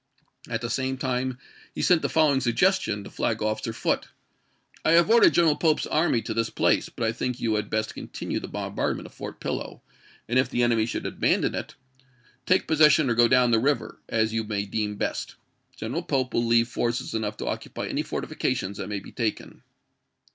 At the same time he PEA RIDGE AND ISLAND NO. 10 301 sent the following suggestion to Flag officer Foote: ch. xvir. " I have ordered General Pope's army to this place, but I think you had best continue the bombard ment of Fort Pillow; and if the enemy should Haiieck abandon it, take possession or go down the river, Apru'*!!.' as you may deem best. General Pope will leave ^^oi. x'.f' Part II forces enough to occupy any fortifications that p. los.' may be taken."